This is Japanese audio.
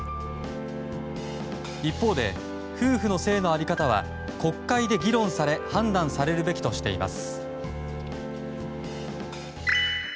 一方で夫婦の姓の在り方は国会で議論され判断されるべきとしています。